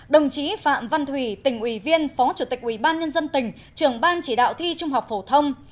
đồng chí phạm văn thủy tỉnh ủy viên phó chủ tịch ủy ban nhân dân tỉnh trưởng ban chỉ đạo thi trung học phổ thông